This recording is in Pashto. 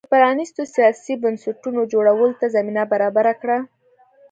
د پرانیستو سیاسي بنسټونو جوړولو ته زمینه برابره کړه.